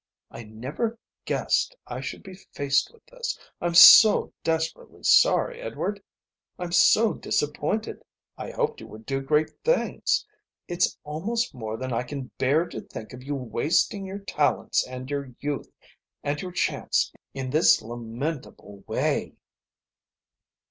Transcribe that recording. I never guessed I should be faced with this. I'm so desperately sorry, Edward. I'm so disappointed. I hoped you would do great things. It's almost more than I can bear to think of you wasting your talents and your youth and your chance in this lamentable way."